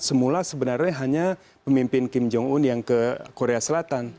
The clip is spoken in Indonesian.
semula sebenarnya hanya pemimpin kim jong un yang ke korea selatan